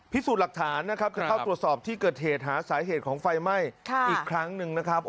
พิสูจน์หลักฐานนะครับจะเข้าตรวจสอบที่เกิดเหตุหาสาเหตุของไฟไหม้อีกครั้งหนึ่งนะครับ